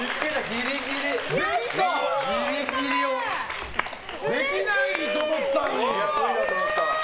ギリギリ！できないと思ってたのに。